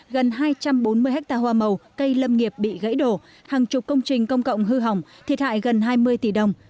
gần hai trăm bốn mươi ha hoa màu cây lâm nghiệp bị gãy đổ hàng chục công trình công cộng hư hỏng thiệt hại gần hai mươi tỷ đồng